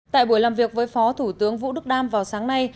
tại buổi làm việc với phó thủ tướng vũ đức đam vào sáng nay